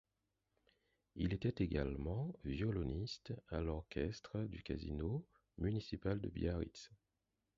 Il était également violoniste à l'orchestre du casino municipal de Biarritz.